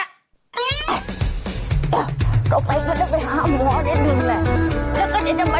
ต่อไปก็จะไปหาหมอเดี๋ยวหนึ่งแหละ